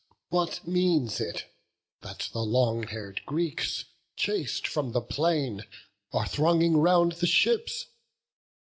what means it, that the long hair'd Greeks, Chas'd from the plain, are thronging round the ships?